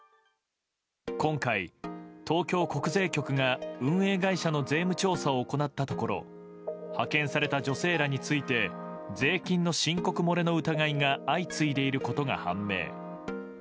今回、東京国税局が運営会社の税務調査を行ったところ派遣された女性らについて税金の申告漏れの疑いが相次いでいることが判明。